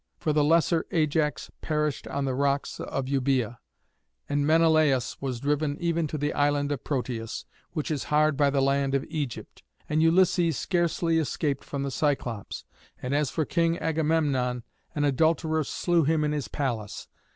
For the Lesser Ajax perished on the rocks of Eubœa; and Menelaüs was driven even to the island of Proteus, which is hard by the land of Egypt; and Ulysses scarcely escaped from the Cyclops; and as for King Agamemnon, an adulterer slew him in his palace.